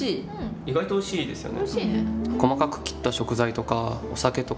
意外とおいしいですよね。